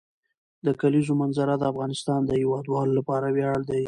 د کلیزو منظره د افغانستان د هیوادوالو لپاره ویاړ دی.